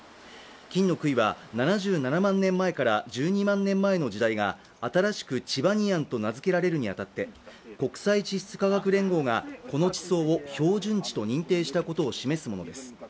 金の杭は７７万年前から１２万年前の時代が新しくチバニアンと名付けられるに当たって、国際地質科学連合がこの地層を標準地と認定したことを示すものです。